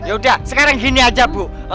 yaudah sekarang gini aja bu